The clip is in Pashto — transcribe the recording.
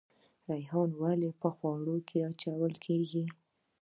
ریحان ولې په خوړو کې اچول کیږي؟